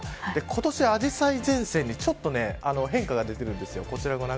今年はアジサイ前線にちょっと変化が出ているんです。